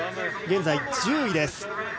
現在１０位です。